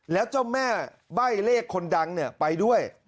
แล้วเจ้าแม่ใบ้เลขคนดังไปด้วย